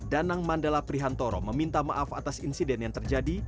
danang mandala prihantoro meminta maaf atas insiden yang terjadi